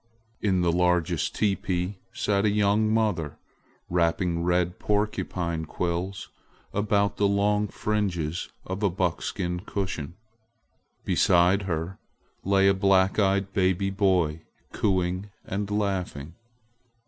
In the largest teepee sat a young mother wrapping red porcupine quills about the long fringes of a buckskin cushion. Beside her lay a black eyed baby boy cooing and laughing.